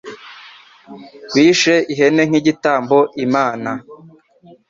Bishe ihene nk'igitambo Imana.